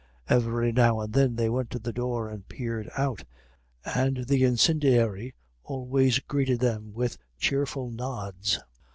Every now and then they went to the door and peered out, and the incendiary always greeted them with cheerful nods.